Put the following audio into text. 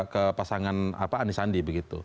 ke pasangan andi sandi